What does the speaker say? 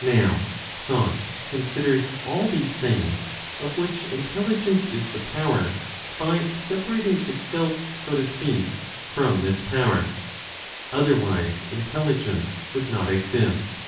Now thought considers all these things (of which Intelligence is the power), by separating itself, so to speak, from this power; otherwise, Intelligence would not exist.